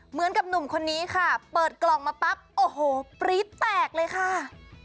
เหมือนกับหนุ่มคนนี้ค่ะเปิดกล่องมาปั๊บโอ้โหปรี๊ดแตกเลยค่ะ